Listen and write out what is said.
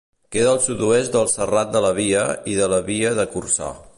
Queda al sud-oest del Serrat de la Via i de la Via de Corçà.